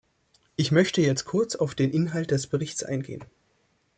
Ich möchte jetzt kurz auf den Inhalt des Berichts eingehen.